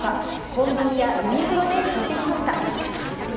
コンビニやユニクロで聞いてきました。